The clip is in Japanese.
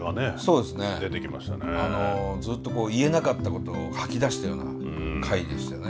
ずっと言えなかったことを吐き出したような回でしたね。